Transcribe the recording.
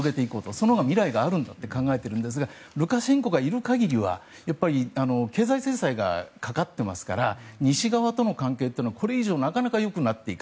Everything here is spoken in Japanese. そのほうが未来があるんだと考えているんですがルカシェンコがいる限りは経済制裁がかかってますから西側との関係はこれ以上なかなか良くならない。